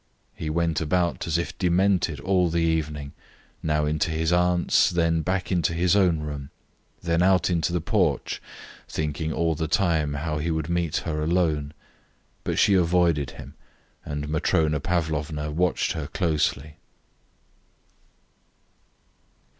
He went about as if demented all the evening, now into his aunts', then back into his own room, then out into the porch, thinking all the time how he could meet her alone; but she avoided him, and Matrona Pavlovna watched her closely.